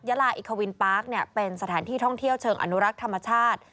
ยาลาอิควินปาร์คเป็นสถานที่ท่องเที่ยวเชิงอนุรักษ์ธรรมชาติ